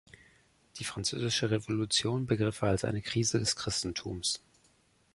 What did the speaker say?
Die Französische Revolution begriff er als eine Krise des Christentums.